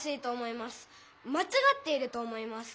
まちがっていると思います。